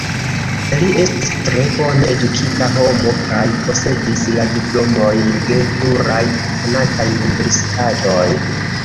Li estis tre bone edukita homo kaj posedis la diplomojn de pluraj konataj universitatoj.